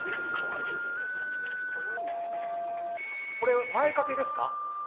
これ前掛けですか？